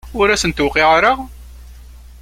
Ur asent-d-tuqiɛ ara?